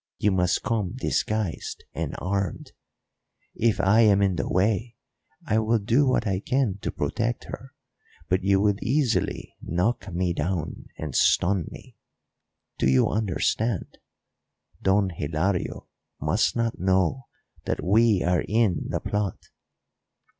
You must come disguised and armed. If I am in the way I will do what I can to protect her, but you will easily knock me down and stun me do you understand? Don Hilario must not know that we are in the plot.